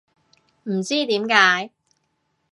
唔知點解